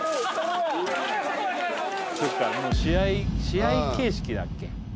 そっかもう試合形式だっけ？